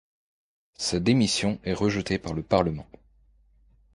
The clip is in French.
Sa démission est rejetée par le Parlement.